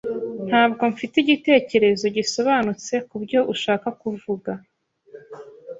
Ntabwo mfite igitekerezo gisobanutse kubyo ushaka kuvuga.